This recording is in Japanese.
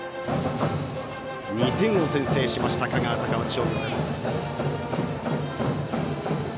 ２点を先制した香川・高松商業です。